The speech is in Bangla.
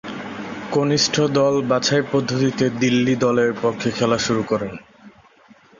কনিষ্ঠ দল বাছাই পদ্ধতিতে দিল্লি দলের পক্ষে খেলতে শুরু করেন।